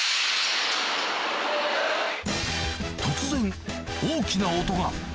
突然、大きな音が。